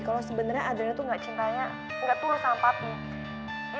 kalau sebenarnya adriana tuh enggak cintanya enggak turut sama papi